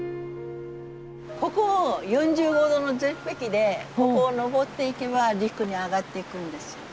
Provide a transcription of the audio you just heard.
ここ４５度の絶壁でここを登っていけば陸に上がっていくんです。